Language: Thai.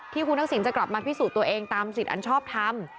ที่คุณทักษิณจะกลับมาพิสูจน์ตัวเองตามสิทธิ์อันชอบทำ